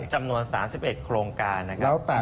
จำนวน๓๑โครงการนะนิวคา